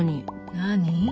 何？